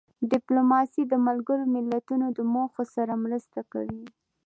ډیپلوماسي د ملګرو ملتونو د موخو سره مرسته کوي.